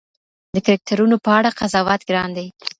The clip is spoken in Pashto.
د کرکټرونو په اړه قضاوت ګران دی.